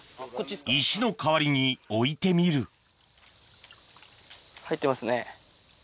石の代わりに置いてみる入ってますね。